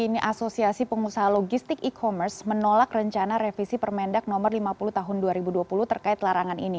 ini asosiasi pengusaha logistik e commerce menolak rencana revisi permendak nomor lima puluh tahun dua ribu dua puluh terkait larangan ini